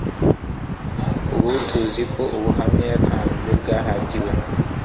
Ubu tuzi ko ubuhamya yatanze bwahatiwe